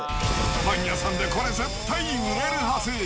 パン屋さんでこれ、絶対売れるはず。